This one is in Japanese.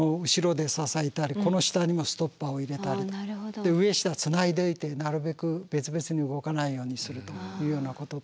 で上下つないでおいてなるべく別々に動かないようにするというようなことと。